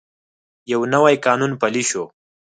یو نوی قانون پلی شو.